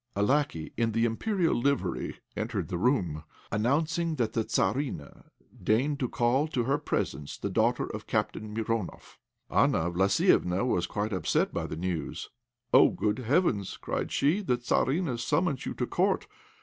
A lackey in the Imperial livery entered the room, announcing that the Tzarina deigned to call to her presence the daughter of Captain Mironoff. Anna Vlassiéfna was quite upset by this news. "Oh, good heavens!" cried she; "the Tzarina summons you to Court!